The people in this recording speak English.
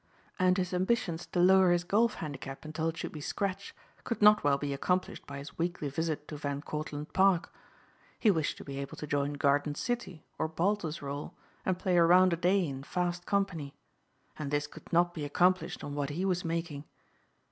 And his ambitions to lower his golf handicap until it should be scratch could not well be accomplished by his weekly visit to Van Cortlandt Park. He wished to be able to join Garden City or Baltusrol and play a round a day in fast company. And this could not be accomplished on what he was making.